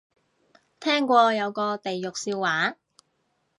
聽過有個地獄笑話